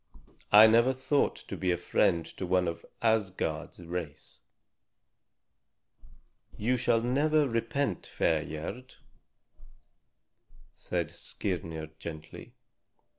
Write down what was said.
I never thought to be a friend to one of Asgard's race." "You shall never repent, fair Gerd," said Skirnir gently.